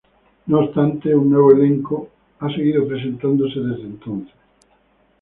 No obstante, un nuevo elenco ha seguido presentándose desde entonces.